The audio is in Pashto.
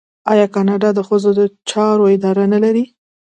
آیا کاناډا د ښځو چارو اداره نلري؟